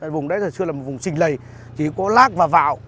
vùng đấy thời xưa là một vùng xình lầy chỉ có lác và vạo